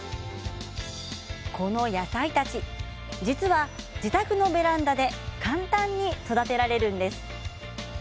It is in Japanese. この野菜たち、実は自宅のベランダで簡単に育てられるんです。